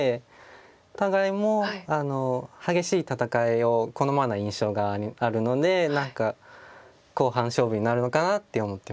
お互い激しい戦いを好まない印象があるので何か後半勝負になるのかなって思ってます。